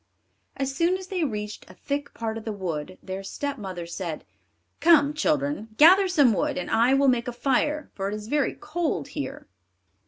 As soon as they reached a thick part of the wood, their stepmother said: "Come, children, gather some wood, and I will make a fire, for it is very cold here."